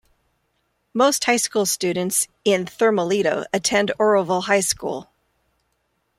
Most high school students in Thermalito attend Oroville High School.